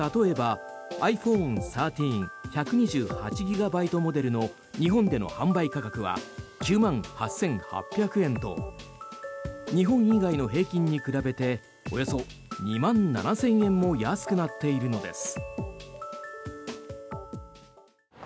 例えばｉＰｈｏｎｅ１３１２８ギガバイトモデルの日本での販売価格は９万８８００円と日本以外の平均に比べておよそ２万７０００円も安くなっているのです。